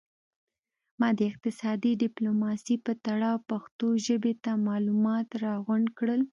ما د اقتصادي ډیپلوماسي په تړاو پښتو ژبې ته معلومات را غونډ کړل